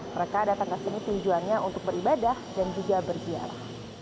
mereka datang ke sini tujuannya untuk beribadah dan juga berziarah